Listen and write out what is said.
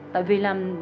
tại vì là